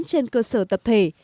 trên cơ sở tập thể